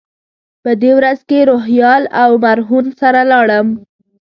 په دې ورځ له روهیال او مرهون سره لاړم.